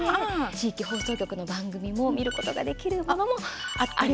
地域放送局の番組も見ることができるものもあったり。